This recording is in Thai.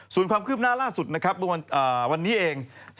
ส่วนความคืบหน้าล่าสุดนะครับวันนี้เอง